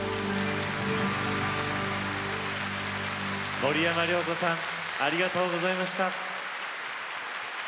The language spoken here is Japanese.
森山良子さんありがとうございました。